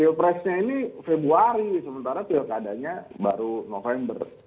pilpresnya ini februari sementara pilkadanya baru november